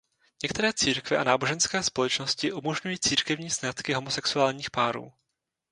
Některé církve a náboženské společnosti umožňují církevní sňatky homosexuálních párů.